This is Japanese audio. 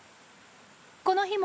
この日も。